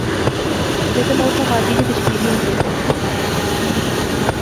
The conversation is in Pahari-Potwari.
لیکن او تہ وادی نے کشمیری ہونے